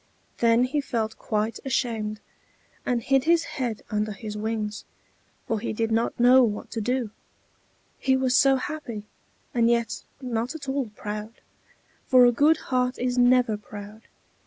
Then he felt quite ashamed, and hid his head under his wings, for he did not know what to do; he was so happy, and yet not at all proud, for a good heart is never proud.